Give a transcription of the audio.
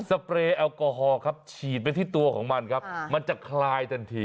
เปรย์แอลกอฮอล์ครับฉีดไปที่ตัวของมันครับมันจะคลายทันที